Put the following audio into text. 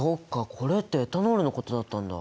これってエタノールのことだったんだ。